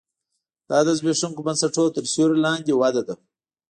دا د زبېښونکو بنسټونو تر سیوري لاندې وده ده